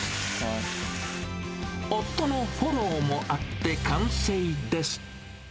夫のフォローもあって、完成です。